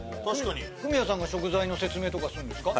フミヤさんが食材の説明とかするんですか？